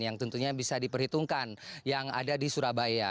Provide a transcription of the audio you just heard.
yang tentunya bisa diperhitungkan yang ada di surabaya